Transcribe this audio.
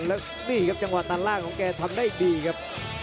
และดีครับจังหวะตานร่างของแกทำดีครับ